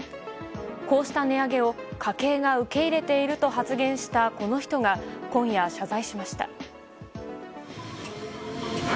こうした値上げを家計が受け入れていると発言したこの人が今夜、謝罪しました。